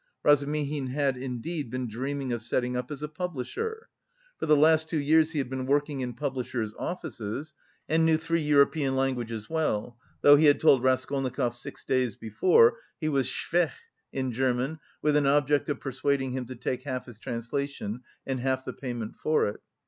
Razumihin had, indeed, been dreaming of setting up as a publisher. For the last two years he had been working in publishers' offices, and knew three European languages well, though he had told Raskolnikov six days before that he was "schwach" in German with an object of persuading him to take half his translation and half the payment for it.